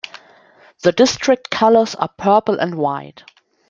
The district colors are purple and white.